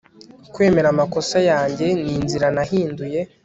kwemera amakosa yanjye ninzira nahinduye